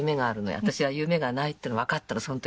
私は夢がないっていうのわかったのその時に。